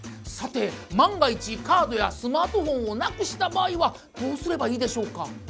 さて万が一カードやスマートフォンをなくした場合はどうすればいいでしょうか？